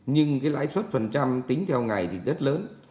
nhưng cái lãi suất phần trăm tính theo ngày thì rất lớn